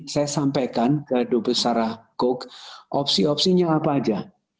saya sampaikan ke duta besar sarah cook opsi opsinya apa saja